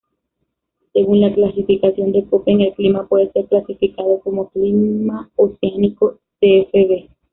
Según la clasificación de Köppen, el clima puede ser clasificado como clima oceánico Cfb.